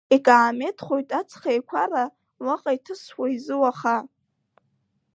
Икаамеҭхоит аҵх еиқәара, уаҟа иҭысуа изы уаха.